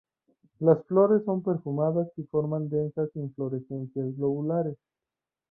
Las flores son perfumadas y forman densas inflorescencias globulares.